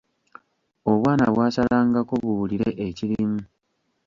Obwana bwasalangako buwulire ekirimu.